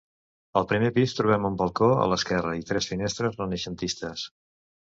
Al primer pis trobem un balcó a l'esquerra i tres finestres renaixentistes.